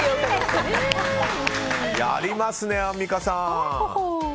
やりますね、アンミカさん。